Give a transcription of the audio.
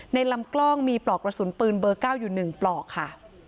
ลำกล้องมีปลอกกระสุนปืนเบอร์๙อยู่๑ปลอกค่ะ